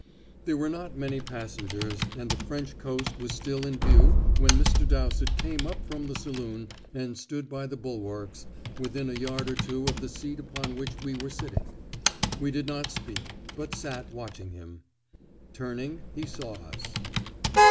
There were not many passengers, and the French coast was still in view when Mr. Dowsett came up from the saloon and stood by the bulwarks, within a yard or two of the seat upon which we were sitting. We did not speak, but sat watching him. Turning, he saw us.